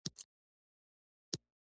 بریکونه هر وخت معاینه کړه.